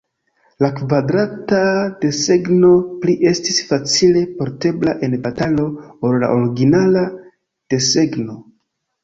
La kvadrata desegno pli estis facile portebla en batalo ol la originala desegno.